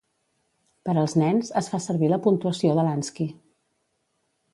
Per als nens, es fa servir la puntuació de Lansky.